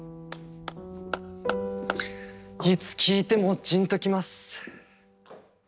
いつ聞いてもじんときます。